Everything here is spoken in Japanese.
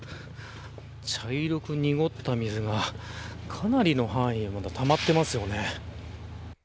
茶色く濁った水がかなりの範囲でたまってますね。